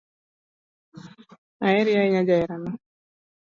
Aheri ahinya jaherana